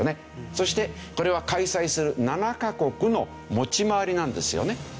そしてこれは開催する７カ国の持ち回りなんですよね。